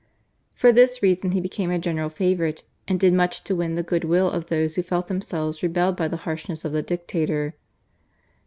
For this reason he became a general favourite, and did much to win the good will of those who felt themselves rebelled by the harshness of the dictator.